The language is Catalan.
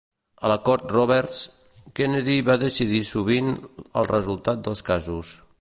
A la Cort Roberts, Kennedy va decidir sovint el resultat dels casos.